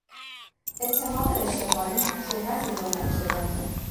اتهام رشوه خواری شهرت او را لکهدار کرد.